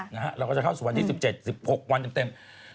แล้วก็จะเข้าสู่วันที่๑๗๑๖วันเต็ม